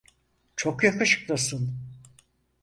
Çok yakışıklısın.